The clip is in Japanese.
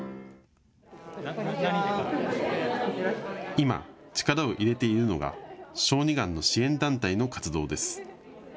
今、力を入れているのが小児がんの支援団体の活動です。